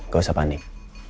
gak usah panik